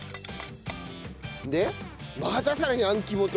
でまたさらにあん肝と。